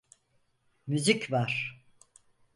Müzik var…